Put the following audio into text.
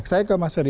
saya ke mas ferry